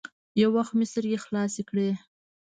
يو وخت مې سترګې خلاصې کړې.